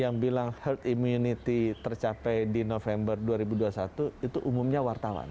yang bilang herd immunity tercapai di november dua ribu dua puluh satu itu umumnya wartawan